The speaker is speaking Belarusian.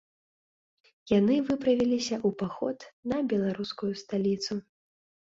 Яны выправіліся ў паход на беларускую сталіцу.